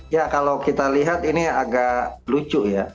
ya kalau kita lihat ini agak lucu ya